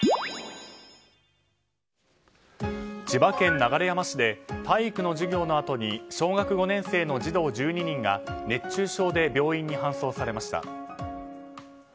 千葉県流山市で体育の授業のあと小学５年生の児童１２人が熱中症で病院に搬送されました。